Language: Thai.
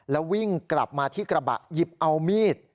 แล้ววิ่งกลับมาที่กระบะหยิบเอามีด